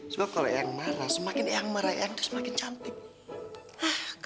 soalnya kalau eyang marah semakin eyang marah eyang tuh semakin cantik